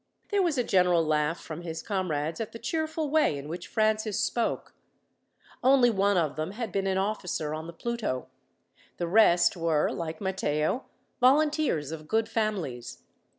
There was a general laugh, from his comrades, at the cheerful way in which Francis spoke. Only one of them had been an officer on the Pluto. The rest were, like Matteo, volunteers of good families.